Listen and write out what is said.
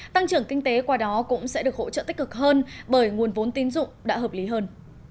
tăng trưởng kinh tế qua đó cũng sẽ được hỗ trợ tích cực hơn bởi nguồn vốn tín dụng đã hợp lý hơn